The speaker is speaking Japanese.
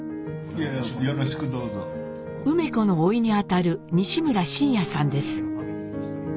梅子のおいにあたる西村眞彌さんです。